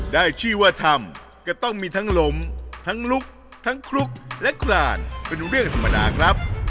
ได้ชื่อว่าทำก็ต้องมีทั้งล้มทั้งลุกทั้งคลุกและคลานเป็นเรื่องธรรมดาครับ